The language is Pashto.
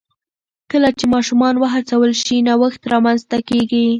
کله چې ماشومان وهڅول شي، نوښت رامنځته کېږي.